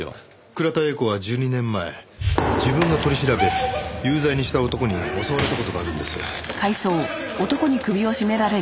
倉田映子は１２年前自分が取り調べ有罪にした男に襲われた事があるんです。何やってるんだ！